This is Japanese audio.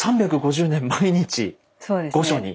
３５０年毎日御所に！